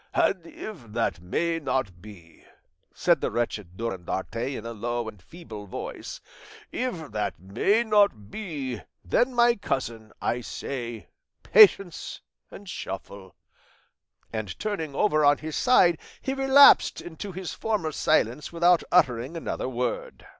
"'And if that may not be,' said the wretched Durandarte in a low and feeble voice, 'if that may not be, then, my cousin, I say "patience and shuffle;"' and turning over on his side, he relapsed into his former silence without uttering another word.